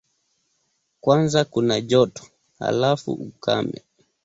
Kwanza kuna joto, halafu ukame.